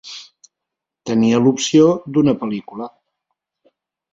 Tenia l'opció d'una pel·lícula.